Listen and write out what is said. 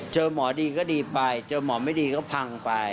เจอหมอดีก็ดีไปเจอหมอไม่ดีก็พังไป